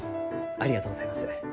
ありがとうございます。